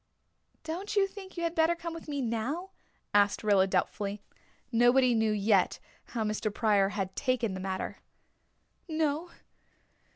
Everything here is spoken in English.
"Don't you think you had better come with me now?" asked Rilla doubtfully. Nobody knew yet how Mr. Pryor had taken the matter. "No.